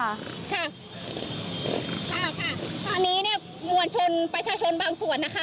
ค่ะตอนนี้มวลชนประชาชนบางส่วนนะคะ